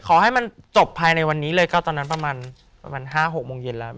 ขอให้มันจบภายในวันนี้เลยก็ตอนนั้นประมาณ๕๖โมงเย็นแล้ว